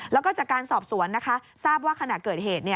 แล้วก็จากการสอบสวนนะคะทราบว่าขณะเกิดเหตุ